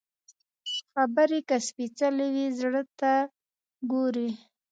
خبرې که سپېڅلې وي، زړه ته لوري